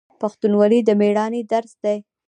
پښتونولي د میړانې درس دی.